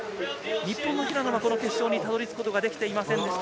日本の平野は決勝にたどり着くことができませんでした。